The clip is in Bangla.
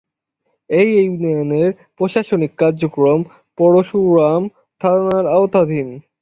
এ ইউনিয়নের প্রশাসনিক কার্যক্রম পরশুরাম থানার আওতাধীন।